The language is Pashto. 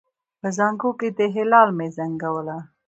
په زانګو کې د هلال مې زنګوله